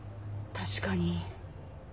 確かに。